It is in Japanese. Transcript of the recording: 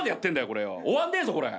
これよ終わんねえぞこれ。